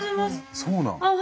そうなん？